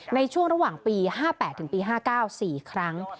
ในช่วงระหว่างปี๕๘ถึงปี๕๙๔ครั้ง